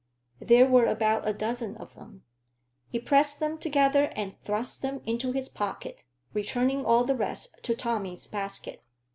There were about a dozen of them; he pressed them together and thrust them into his pocket, returning all the rest to Tommy's basket.